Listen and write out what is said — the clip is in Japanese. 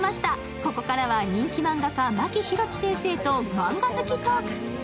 ここからは、人気漫画家マキヒロチ先生と漫画好きトーク。